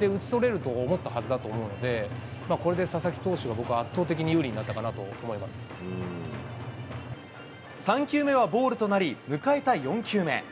打ち取れると思ったはずだと思うので、これで佐々木投手が、僕は圧倒的に有利になったかなと３球目はボールとなり、迎えた４球目。